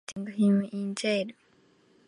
She remembers visiting him in jail.